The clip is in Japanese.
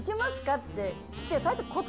って来て。